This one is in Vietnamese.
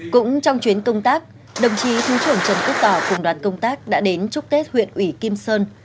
cũng trong chuyến công tác đồng chí thứ trưởng trần quốc tỏ cùng đoàn công tác đã đến chúc tết huyện ủy kim sơn